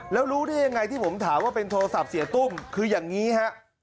แล้วรู้ได้ยังไงที่ผมถามว่าเป็นโทรศัพท์เสียตุ้มคืออย่างนี้ฮะ